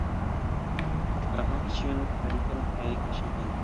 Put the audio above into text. Rakonti ĉion faritan kaj kaŝitan.